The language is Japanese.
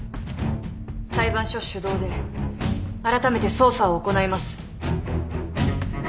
裁判所主導であらためて捜査を行います。